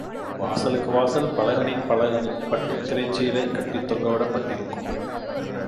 வாசலுக்கு வாசல் பலகணிக்குப் பலகணி பட்டுத் திரைச் சீலைகள் கட்டித் தொங்கவிடப் பட்டிருக்கும்.